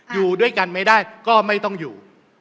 อยู่ด้วยกันไม่ได้ก็ไม่ต้องอยู่